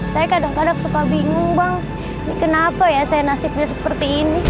saya kadang kadang suka bingung bang kenapa ya saya nasibnya seperti ini